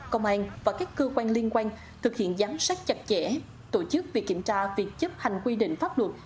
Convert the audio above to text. công an và các cơ quan liên quan thực hiện giám sát chặt chẽ tổ chức việc kiểm tra việc chấp hành quy định pháp luật